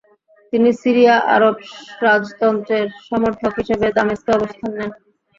তিনি সিরিয়া আরব রাজতন্ত্রের সমর্থক হিসেবে দামেস্কে অবস্থান নেন।